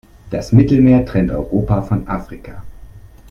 Das Mittelmeer trennt Europa von Afrika.